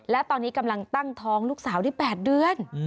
และตอนนี้กำลังตั้งท้องลูกสาวได้๘เดือน